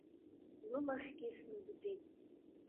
Лылахьгьы снагәӡит.